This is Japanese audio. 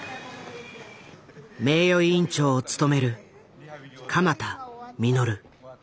名誉院長を務める鎌田實。